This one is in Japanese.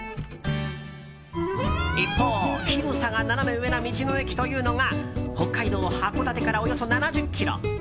一方、広さがナナメ上な道の駅というのが北海道函館から、およそ７０ｋｍ。